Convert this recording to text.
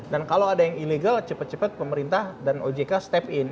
dan kalau ada yang ilegal cepat cepat pemerintah dan ojk step in